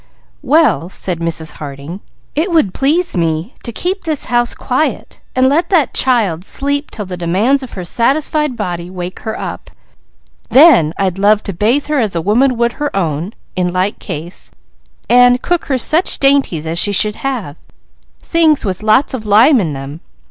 "Well," said Mrs. Harding, "it would please me to keep this house quiet, and let that child sleep till the demands of her satisfied body wake her up. Then I'd love to bathe her as a woman would her own, in like case; and cook her such dainties as she should have: things with lots of lime in them.